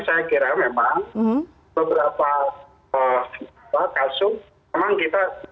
saya kira memang beberapa kasus memang kita